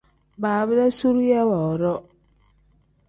Baaba-dee zuriya woodoo.